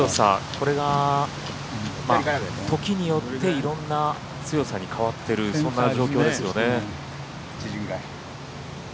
これが時によっていろんな強さに変わってるそんな状況ですよね。